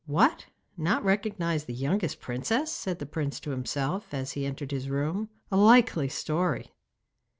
'What! Not recognise the youngest princess!' said the Prince to himself, as he entered his room, 'a likely story!